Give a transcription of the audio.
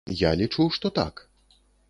Я лічу, што так.